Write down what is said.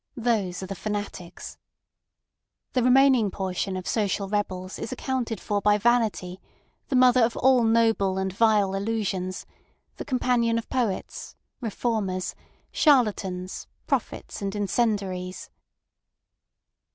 Those are the fanatics. The remaining portion of social rebels is accounted for by vanity, the mother of all noble and vile illusions, the companion of poets, reformers, charlatans, prophets, and incendiaries.